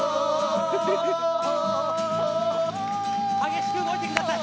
激しく動いてください！